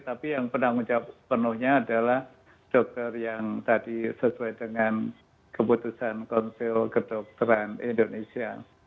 tapi yang penuhnya adalah dokter yang tadi sesuai dengan keputusan konsil kedokteran indonesia